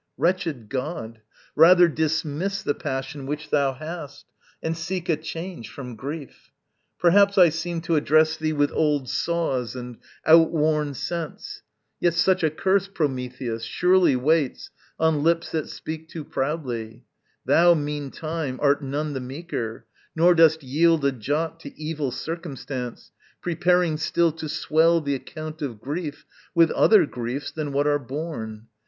Wretched god, Rather dismiss the passion which thou hast, And seek a change from grief. Perhaps I seem To address thee with old saws and outworn sense, Yet such a curse, Prometheus, surely waits On lips that speak too proudly: thou, meantime, Art none the meeker, nor dost yield a jot To evil circumstance, preparing still To swell the account of grief with other griefs Than what are borne.